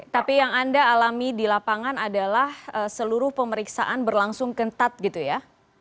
tapi yang anda alami di lapangan adalah seluruh pemeriksaan berlangsung kentat gitu ya